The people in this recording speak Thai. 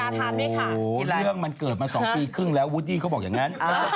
เรื่องมันเกิดมา๒ปีครึ่งแล้ววูดดี้เขาบอกอย่างนั้น